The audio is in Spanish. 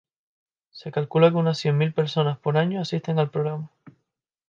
Se calcula que unas cien mil personas por año asisten al programa.